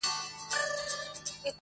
نه پر مځکه چا ته گوري نه اسمان ته.!